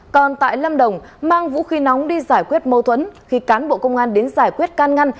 còn tại lâm đồng mang vũ khí nóng đi giải quyết mâu thuẫn khi cán bộ công an đến giải quyết can ngăn